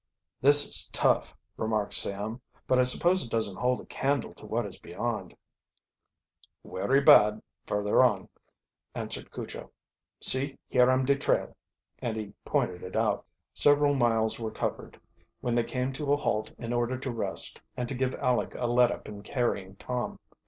"This is tough," remarked Sam. "But I suppose it doesn't hold a candle to what is beyond." "Werry bad further on," answered Cujo. "See, here am de trail," and he pointed it out. Several miles were covered, when they came to a halt in order to rest and to give Aleck a let up in carrying Tom.